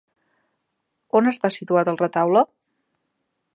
On està situat el retaule?